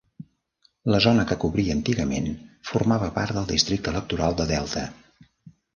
La zona que cobria antigament formava part del districte electoral de Delta.